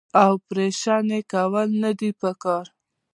او اپرېشن ئې کول نۀ دي پکار -